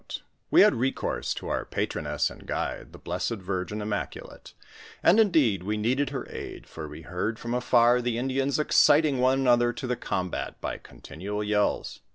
^ We had recourse to our patroness and guide, the Blessed Virgin Im maculate; and, indeed, we needed her aid, for we heard from afar the Indians exciting one another to the combat by con tinual yells.